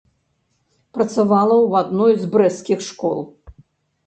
Працавала ў адной з брэсцкіх школ.